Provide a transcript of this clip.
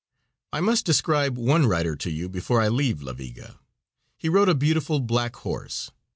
I must describe one rider to you before I leave La Viga. He rode a beautiful black horse.